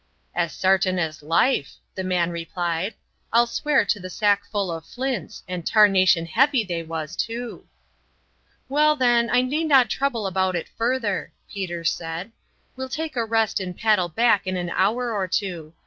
"As sartin as life," the man replied. "I'll swear to the sackful of flints; and tarnation heavy they was, too." "Well, then, I need not trouble about it further," Peter said. "We'll take a rest and paddle back in an hour or two.